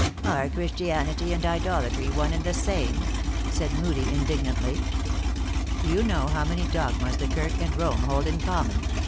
" Are Christianity and idolatry one and the same?" said Moodie, indignantly. " Do you know how many dogmas the Kirk and Rome hold in common